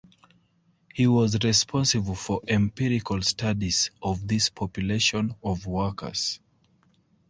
He was responsible for empirical studies of this population of workers.